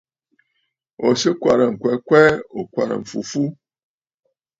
Ò sɨ̀ kwarə̀ ŋ̀kwɛɛ kwɛɛ, ò kwarə̀ m̀fu fu?